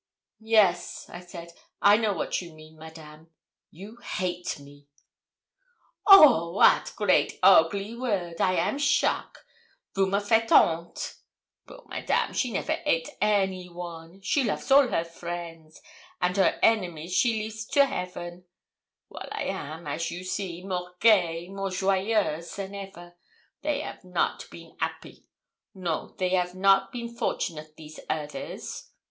'Yes,' I said; 'I know what you mean, Madame you hate me.' 'Oh! wat great ogly word! I am shock! vous me faites honte. Poor Madame, she never hate any one; she loves all her friends, and her enemies she leaves to Heaven; while I am, as you see, more gay, more joyeuse than ever, they have not been 'appy no, they have not been fortunate these others.